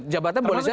jabatan boleh jadi